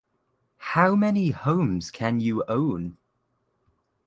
How many homes can you own?